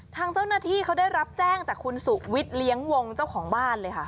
ทางเจ้าหน้าที่เขาได้รับแจ้งจากคุณสุวิทย์เลี้ยงวงเจ้าของบ้านเลยค่ะ